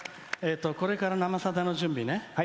これから「生さだ」の準備ね。